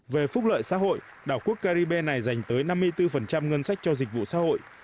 về phúc lợi xã hội đảo quốc caribe này dành tới năm mươi bốn ngân sách cho dịch vụ xã hội